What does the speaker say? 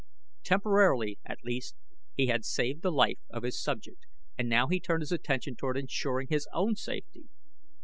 Temporarily, at least, he had saved the life of his subject, and now he turned his attention toward insuring his own safety.